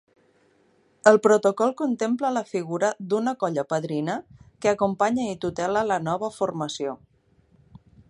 El protocol contempla la figura d'una colla padrina que acompanya i tutela la nova formació.